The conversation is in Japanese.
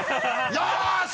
よし！